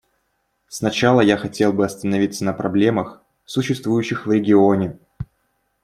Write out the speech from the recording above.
Сначала я хотел бы остановиться на проблемах, существующих в регионе.